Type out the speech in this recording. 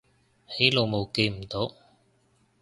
起腦霧記唔到